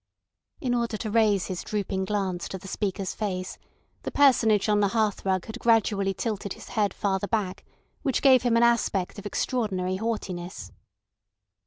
In order to raise his drooping glance to the speaker's face, the Personage on the hearthrug had gradually tilted his head farther back, which gave him an aspect of extraordinary haughtiness.